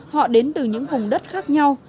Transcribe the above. họ đến từ những hùng đất khác nhau